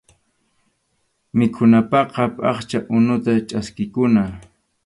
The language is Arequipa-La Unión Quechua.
Mikhunapaqqa phaqcha unuta chaskikuna.